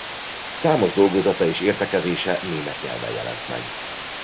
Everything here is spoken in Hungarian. Számos dolgozata és értekezése német nyelven jelent meg.